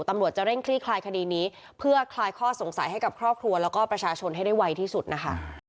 ตำรวจจะเร่งคลี่คลายคดีนี้เพื่อคลายข้อสงสัยให้กับครอบครัวแล้วก็ประชาชนให้ได้ไวที่สุดนะคะ